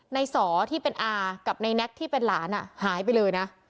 สอที่เป็นอากับในแน็กที่เป็นหลานหายไปเลยนะ